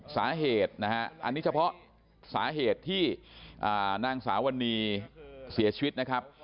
สาเหตุนะฮะอันนี้เฉพาะสาเหตุที่นางสาวนีเสียชีวิตนะครับ